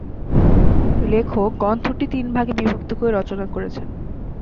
লেখক গ্রন্থটি তিন ভাগে বিভক্ত করে রচনা করেছেন।